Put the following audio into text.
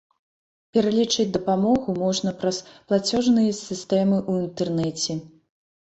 Пералічыць дапамогу можна праз плацежныя сістэмы ў інтэрнэце.